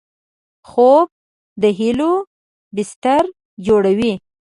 خوب د هیلو بستر جوړوي